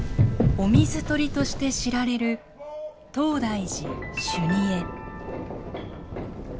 お水取りとして知られる東大寺修二会。